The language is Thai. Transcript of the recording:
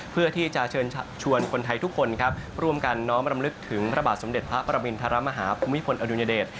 เพื่อที่จะเชิญชวนคนไทยทุกคนครับร่วมกันน้อมรำลึกถึงพระบาทสมเด็จพระประมินทรมาฮาภูมิพลอดุญเดช